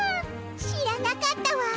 知らなかったわ。